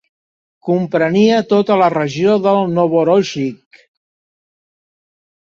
Comprenia tota la regió de Novorossisk.